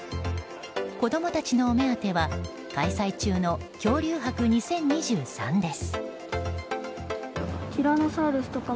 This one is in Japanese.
子供たちのお目当ては開催中の恐竜博２０２３です。